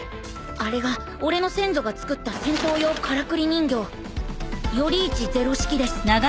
あれが俺の先祖がつくった戦闘用からくり人形縁壱零式です。